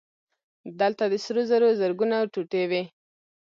دلته د سرو زرو زرګونه ټوټې وې